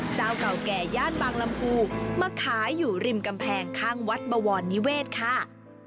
เจ้าเก่าแก่ย่านบางลำพูมาขายอยู่ริมกำแพงข้างวัดบวรนิเวศค่ะ